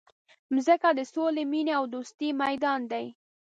مځکه د سولي، مینې او دوستۍ میدان دی.